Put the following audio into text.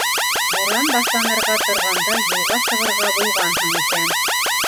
Буран башланырға торғанда юлға сығырға булғанһың икән...